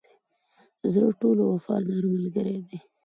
زړه ټولو وفادار ملګری دی.